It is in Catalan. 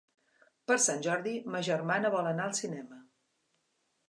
Per Sant Jordi ma germana vol anar al cinema.